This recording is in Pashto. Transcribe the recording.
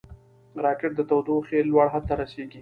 راکټ د تودوخې لوړ حد ته رسېږي